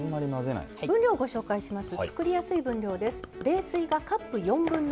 分量ご紹介します。